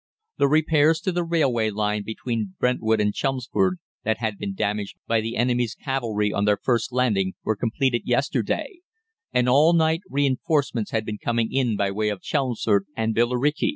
"The repairs to the railway line between Brentwood and Chelmsford, that had been damaged by the enemy's cavalry on their first landing, were completed yesterday, and all night reinforcements had been coming in by way of Chelmsford and Billericay.